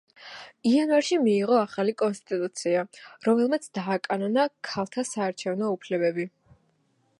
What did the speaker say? იანვარში მიიღო ახალი კონსტიტუცია, რომელმაც დააკანონა ქალთა საარჩევნო უფლებები.